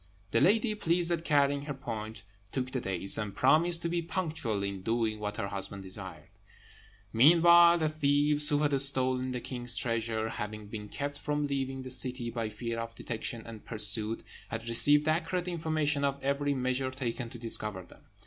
The lady, pleased at carrying her point, took the dates, and promised to be punctual in doing what her husband desired. Meanwhile the thieves who had stolen the king's treasure, having been kept from leaving the city by fear of detection and pursuit, had received accurate information of every measure taken to discover them.